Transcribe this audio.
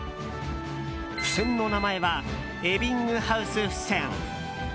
付箋の名前はエビングハウスフセン。